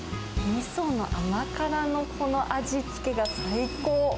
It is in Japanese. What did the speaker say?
みその甘辛のこの味付けが最高。